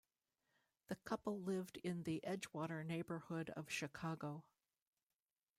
The couple lived in the Edgewater neighborhood of Chicago.